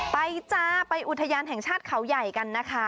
จ้าไปอุทยานแห่งชาติเขาใหญ่กันนะคะ